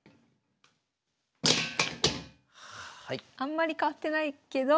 あんまり変わってないけど。